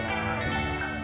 ngerti pak d